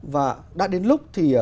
và đã đến lúc thì